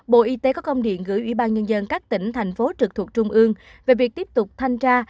bộ y tế có công điện gửi ủy ban nhân dân các tỉnh thành phố trực thuộc trung ương về việc tiếp tục thanh tra